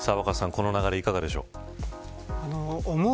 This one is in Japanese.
この流れいかがですか。